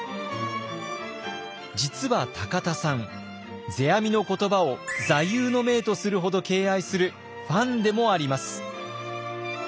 実は田さん世阿弥の言葉を座右の銘とするほど敬愛するファンでもあります。